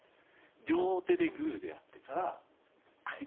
両手でグーでやってから。